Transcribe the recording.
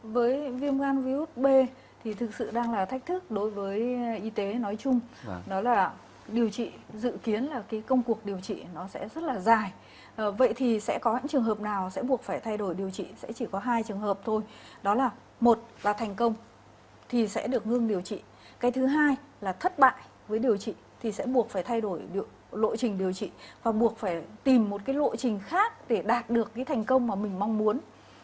với viêm gan virus b thì thực sự đang là thách thức đối với y tế nói chung đó là điều trị dự kiến là cái công cuộc điều trị nó sẽ rất là dài vậy thì sẽ có những trường hợp nào sẽ buộc phải thay đổi điều trị sẽ chỉ có hai trường hợp thôi đó là một là thành công thì sẽ được ngưng điều trị cái thứ hai là thất bại với điều trị thì sẽ buộc phải thay đổi lộ trình điều trị và buộc phải tìm một cái lộ trình khác để đạt được cái thành công mà mình mong muốn